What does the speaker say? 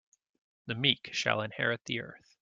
The meek shall inherit the earth.